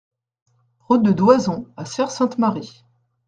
Route de Doazon à Serres-Sainte-Marie